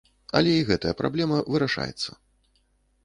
Але і гэтая праблема вырашаецца.